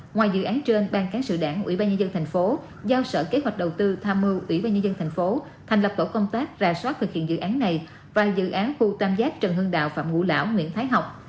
ngoài dự án trên ban cán sự đảng ủy ban nhân dân tp hcm giao sở kế hoạch đầu tư tham mưu ủy ban nhân dân tp hcm thành lập tổ công tác rà soát thực hiện dự án này và dự án khu tam giác trần hương đạo phạm ngũ lão nguyễn thái học